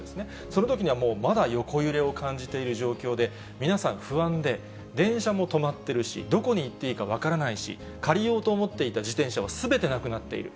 そのときにはもう、まだ横揺れを感じている状況で、皆さん不安で、電車も止まってるし、どこに行っていいか分からないし、借りようと思っていた自転車はすべてなくなっている。